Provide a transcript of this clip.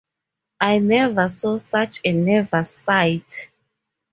I never saw such a nervous sight.